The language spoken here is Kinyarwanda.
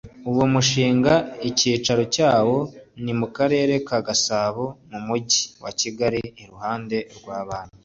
uwo mushinga icyicaro cyawo ni mu Karere ka Gasabo Umujyi wa Kigali iruhande rwa banki